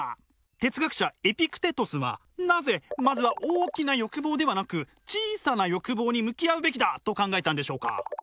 哲学者エピクテトスはなぜまずは大きな欲望ではなく小さな欲望に向き合うべきだと考えたんでしょうか？